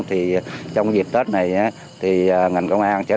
thì trong dịp tết này thì ngành công an sẽ làm được